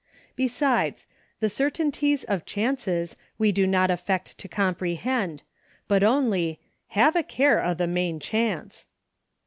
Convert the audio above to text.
Besides, the " cer tainties of chances" we do not affect to com prehend, but only "have a care o' th 7 main chance."